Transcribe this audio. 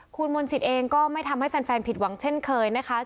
คุณมนต์สิทธิ์เองก็ไม่ทำให้แฟนผิดหวังเช่นเคยนะคะ